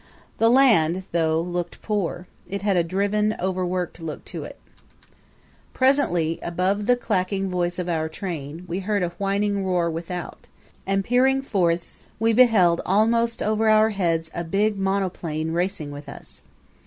The land though looked poor it had a driven, overworked look to it. Presently, above the clacking voice of our train, we heard a whining roar without; and peering forth we beheld almost over our heads a big monoplane racing with us.